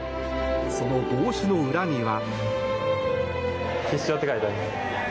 その帽子の裏には。